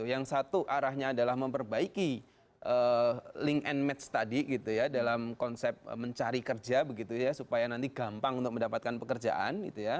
yang satu arahnya adalah memperbaiki link and match tadi dalam konsep mencari kerja supaya nanti gampang untuk mendapatkan pekerjaan